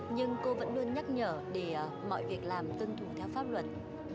nhưng cô vẫn luôn nhắc nhở để mọi việc làm tuân thủ theo pháp luật